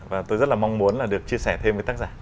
và tôi rất là mong muốn là được chia sẻ thêm với tác giả